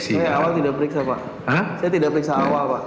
saya tidak periksa awal pak